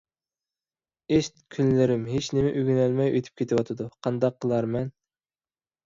ئىسىت، كۈنلىرىم ھېچنېمە ئۆگىنەلمەي ئۆتۈپ كېتىۋاتىدۇ. قانداق قىلارمەن؟